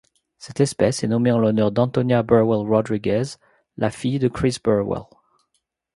Cette espèce est nommée en l'honneur d'Antonia Burwell-Rodriguez, la fille de Chris Burwell.